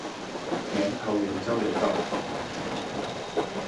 南桃園交流道